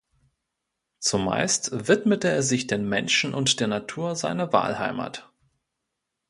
Zumeist widmete er sich den Menschen und der Natur seiner Wahlheimat.